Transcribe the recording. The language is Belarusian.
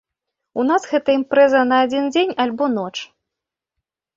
У нас гэта імпрэза на адзін дзень альбо ноч.